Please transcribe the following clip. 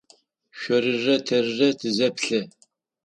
Шъорырэ тэрырэ тызэплъы.